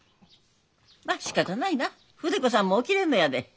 まあしかたないな筆子さんも起きれんのやで。